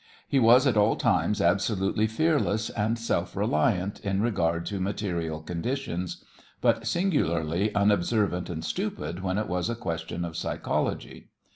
He was at all times absolutely fearless and self reliant in regard to material conditions, but singularly unobservant and stupid when it was a question of psychology.